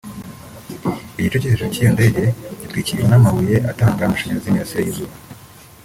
Igice cyo hejuru cy’iyo ndege gitwikiriwe n’amabuye atanga amashanyarazi y’imirasire y’izuba